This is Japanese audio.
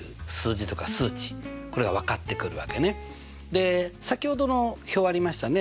で先ほどの表ありましたね